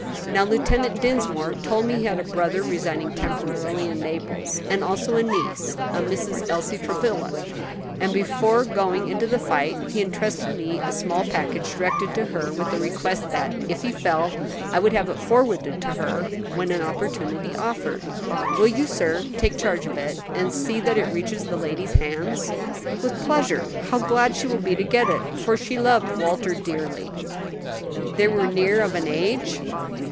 Now Lieutenant Dinsmore told me he had a brother residing temporarily in Naples, and also a niece, a Mrs. Elsie Travilla; and before going into the fight he intrusted to me a small package directed to her, with the request that, if he fell, I would have it forwarded to her when an opportunity offered. Will you, sir, take charge of it, and see that it reaches the lady's hands?" "With pleasure. How glad she will be to get it, for she loved Walter dearly." "They were near of an age?"